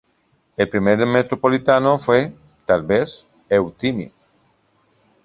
El primero metropolitano fue, tal vez, Eutimio.